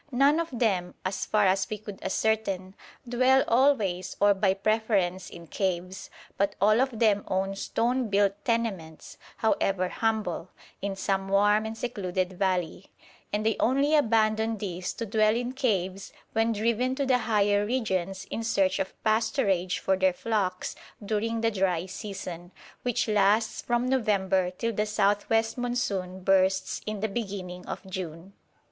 None of them, as far as we could ascertain, dwell always or by preference in caves; but all of them own stone built tenements, however humble, in some warm and secluded valley, and they only abandon these to dwell in caves when driven to the higher regions in search of pasturage for their flocks during the dry season, which lasts from November till the south west monsoon bursts in the beginning of June.